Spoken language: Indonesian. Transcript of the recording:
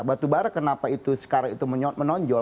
batu bara kenapa itu sekarang itu menonjol